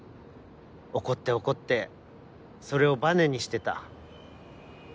怒って怒ってそれをばねにしてた。